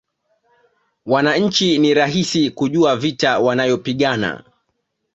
Wananchi ni rahisi kujua vita wanayopigana